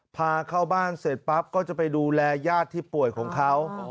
พาเข้าบ้านเสร็จปั๊บก็จะไปดูแลญาติที่ป่วยของเขา